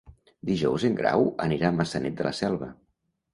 Dijous en Grau anirà a Maçanet de la Selva.